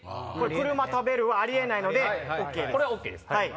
車食べるはありえないのでＯＫです。